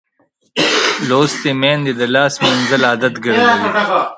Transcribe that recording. لوستې میندې د لاس مینځل عادت ګرځوي.